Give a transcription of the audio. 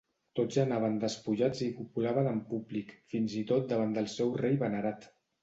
Tots anaven despullats i copulaven en públic, fins i tot davant del seu rei venerat.